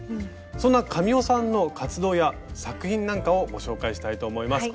そんな神尾さんの活動や作品なんかをご紹介したいと思います。